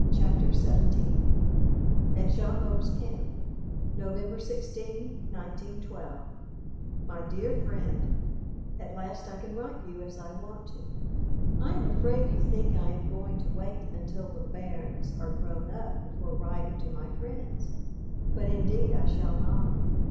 XVII AT GAVOTTE'S CAMP November 16, 1912. MY DEAR FRIEND, At last I can write you as I want to. I am afraid you think I am going to wait until the "bairns" are grown up before writing to my friends, but indeed I shall not.